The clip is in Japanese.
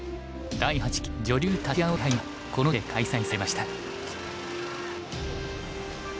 第８期女流立葵杯がこの地で開催されました。